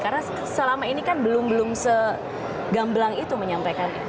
karena selama ini kan belum belum segambelang itu menyampaikan